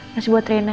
masih buat rena